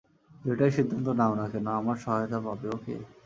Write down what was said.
যেটাই সিদ্ধান্ত নাও না কেন, আমার সহায়তা পাবে, ওকে?